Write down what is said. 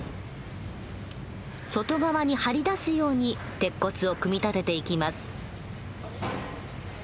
外側に張り出すように鉄骨を組み立てていきます。